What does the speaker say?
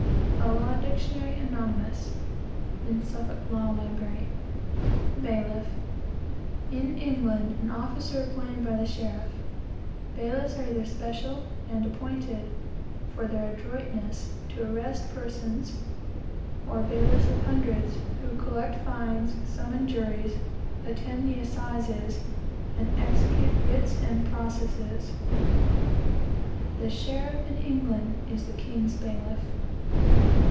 A Law Dictionary, anonymous, (in Suffolk Law Library.) "Bailliff In England an officer appointed by the sheriff. Bailiff's are either special, and appointed, for their adroitness, to arrest persons; or bailiffs of hundreds, who collect fines, summon juries, attend the assizes, and execute writs and processes, The sheriff in England is the king's bailiff.